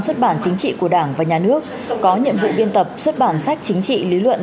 xuất bản chính trị của đảng và nhà nước có nhiệm vụ biên tập xuất bản sách chính trị lý luận